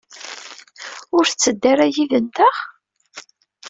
Ur tetteddu ara yid-nteɣ?